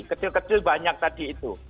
kecil kecil banyak tadi itu